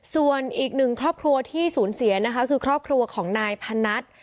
ส่วนอีกหนึ่งครอบครัวที่สูญเสียนะคะคือครอบครัวของนายพนัท